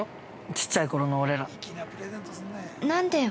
ちっちゃい頃の俺ら。